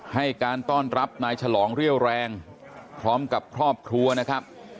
ให้การต้อนรับนายฉลองเรี่ยวแรงพร้อมกับครอบครัวนะครับ